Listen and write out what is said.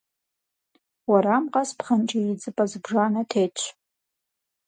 Уэрам къэс пхъэнкӏий идзыпӏэ зыбжанэ тетщ.